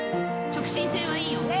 直進性はいいよ。